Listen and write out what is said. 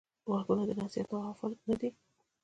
غوږونه د نصیحت نه غافل نه دي